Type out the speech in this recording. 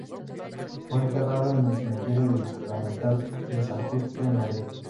Fue enterrado en el cementerio de la Sacramental de San Justo, en Madrid.